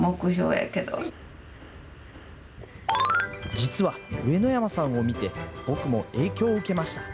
実は上野山さんを見て、僕も影響を受けました。